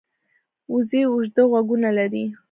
وزې اوږده غوږونه لري